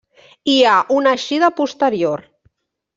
Hi ha una eixida posterior.